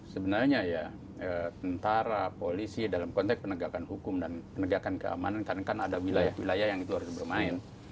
sebenarnya ya tentara polisi dalam konteks penegakan hukum dan penegakan keamanan karena kan ada wilayah wilayah yang itu harus bermain